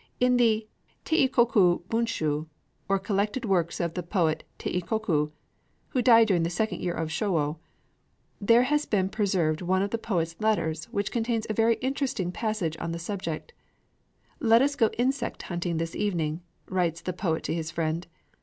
In the Teikoku Bunshū, or collected works of the poet Teikoku, who died during the second year of Shōwō (1653), there has been preserved one of the poet's letters which contains a very interesting passage on the subject. "Let us go insect hunting this evening," writes the poet to his friend.